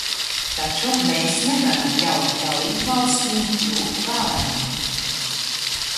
Taču mēs nevaram ļaut dalībvalstīm kļūt vājām.